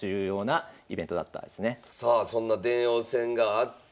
さあそんな電王戦があって。